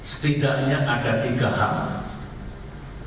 setidaknya ada tiga hal